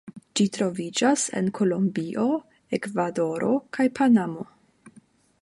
Ĝi troviĝas en Kolombio, Ekvadoro kaj Panamo.